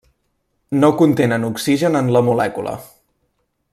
No contenen oxigen en la molècula.